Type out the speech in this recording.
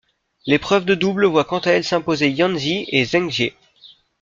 L'épreuve de double voit quant à elle s'imposer Yan Zi et Zheng Jie.